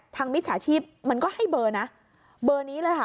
มิจฉาชีพมันก็ให้เบอร์นะเบอร์นี้เลยค่ะ